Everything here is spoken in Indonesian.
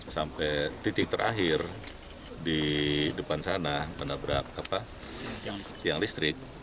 sampai titik terakhir di depan sana menabrak tiang listrik